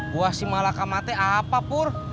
buah si malakamatnya apa pur